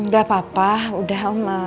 gak apa apa udah oma